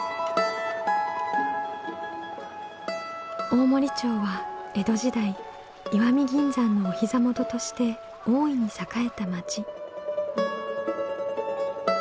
大森町は江戸時代石見銀山のお膝元として大いに栄えた町。